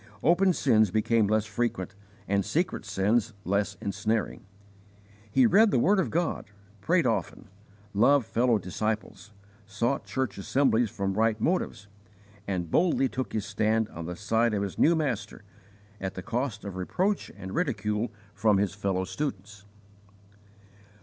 Open sins became less frequent and secret sins less ensnaring. He read the word of God, prayed often, loved fellow disciples, sought church assemblies from right motives, and boldly took his stand on the side of his new Master, at the cost of reproach and ridicule from his fellow students.